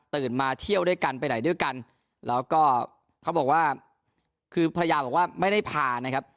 มาเที่ยวด้วยกันไปไหนด้วยกันแล้วก็เขาบอกว่าคือภรรยาบอกว่าไม่ได้พานะครับ